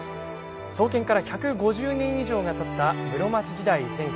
創建から１５０年以上がたった室町時代前期